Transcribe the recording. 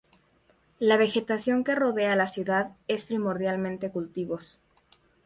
La vegetación que rodea a la ciudad es primordialmente cultivos.